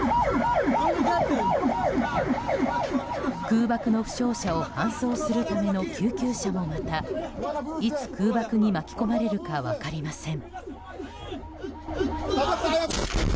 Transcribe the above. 空爆の負傷者を搬送するための救急車もまたいつ空爆に巻き込まれるか分かりません。